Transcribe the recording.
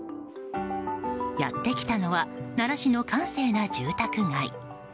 やってきたのは奈良市の閑静な住宅街。